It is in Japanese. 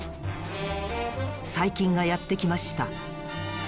細菌がやってきました。